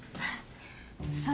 そう